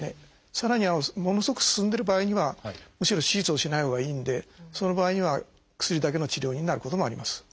さらにはものすごく進んでる場合にはむしろ手術をしないほうがいいんでその場合には薬だけの治療になることもあります。